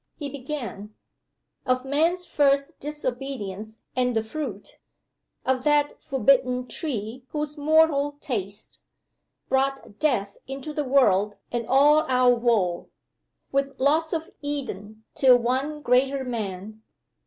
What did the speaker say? He began: "Of Man's first disobedience and the fruit. Of that forbidden tree whose mortal taste. Brought death into the world and all our woe. With loss of Eden till one greater Man.